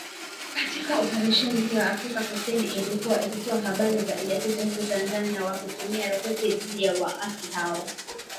Katika Oparesheni hiyo, Afrika kusini ilikuwa ikitoa habari za ujasusi huku Tanzania wakitumia roketi dhidi ya waasi hao .